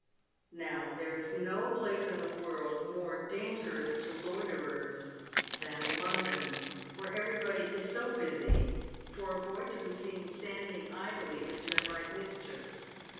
Now there is no place in the world more dangerous to loiterers than London. Where everybody is so busy, for a boy to be seen standing idly is to invite mischief.